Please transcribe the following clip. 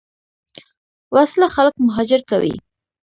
وسله خلک مهاجر کوي